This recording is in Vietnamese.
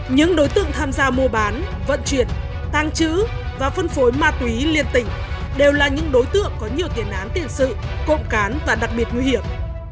những đối tượng tham gia mua bán vận chuyển tăng trữ và phân phối ma túy liên tỉnh đều là những đối tượng có nhiều tiền án tiền sự cộng cán và đặc biệt nguy hiểm